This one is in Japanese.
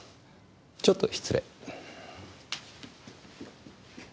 ちょっと失礼。